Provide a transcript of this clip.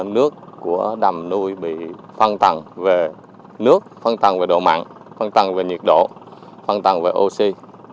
nước của đầm nuôi bị phân tầng về nước phân tầng về độ mặn phân tầng về nhiệt độ phân tầng về oxy